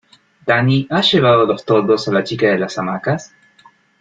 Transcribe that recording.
Dani, ¿has llevado los toldos a la chica de las hamacas?